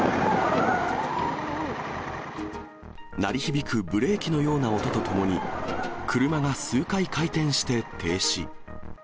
鳴り響くブレーキのような音とともに、車が数回回転して停止。